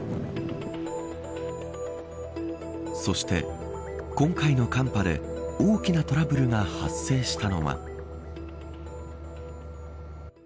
そして、今回の寒波で大きなトラブルが発生したのは。